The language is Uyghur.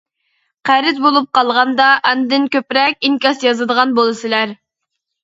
قەرز بولۇپ قالغاندا ئاندىن كۆپرەك ئىنكاس يازىدىغان بولىسىلەر.